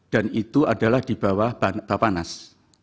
dan itu adalah di bawah bapanas